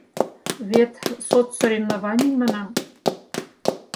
Вет соцсоревнований! — манам.